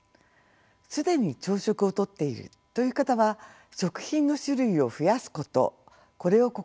既に朝食をとっているという方は食品の種類を増やすことこれを心がけるとよいと思います。